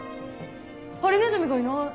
ハリネズミがいない。